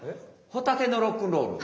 ホタテノロックンロール。